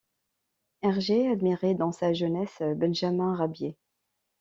Hergé admirait, dans sa jeunesse, Benjamin Rabier.